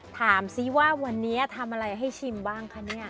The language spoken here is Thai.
ถามซิว่าวันนี้ทำอะไรให้ชิมบ้างคะเนี่ย